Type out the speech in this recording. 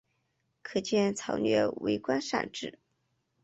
可见曹摅为官善治。